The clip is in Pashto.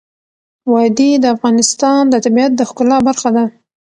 وادي د افغانستان د طبیعت د ښکلا برخه ده.